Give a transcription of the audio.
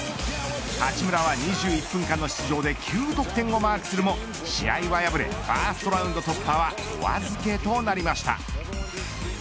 八村は２１分間の出場で９得点をマークするも試合は敗れファーストラウンド突破はお預けとなりました。